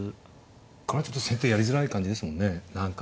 これはちょっと先手やりづらい感じですもんね何か。